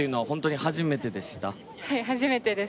はい初めてです。